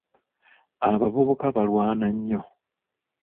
Abavubuka balwana nnyo.